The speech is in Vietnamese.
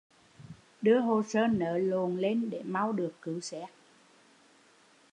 Đưa hồ sơ nớ lộn lên để mau được cứu xét